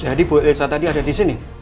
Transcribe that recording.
jadi bu elsa tadi ada disini